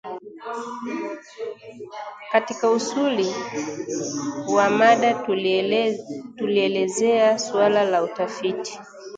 Katika usuli wa mada tulielezea suala la utafiti